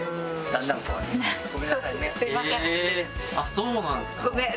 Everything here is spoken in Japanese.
そうなんですか。